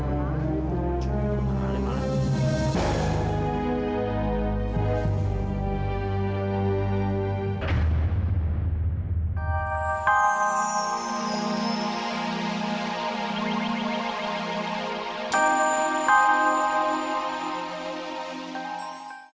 boleh dari sini gregory